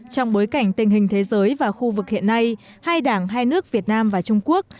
trong bối cảnh tình hình thế giới và khu vực hiện nay hai đảng hai nước việt nam và trung quốc